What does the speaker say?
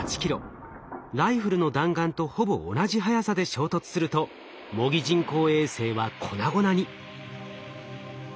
ライフルの弾丸とほぼ同じ速さで衝突すると模擬人工衛星は粉々に。